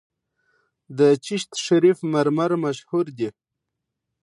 د چشت شریف مرمر مشهور دي